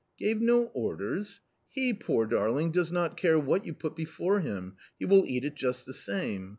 " Gave no orders ! He, poor darling, does not care what you put before him, he will eat it just the same.